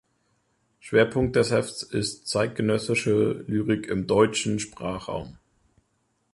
Schwerpunkt des Hefts ist zeitgenössische Lyrik im deutschen Sprachraum.